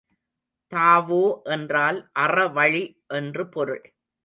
Tao என்றால் அறவழி என்று பொருள்.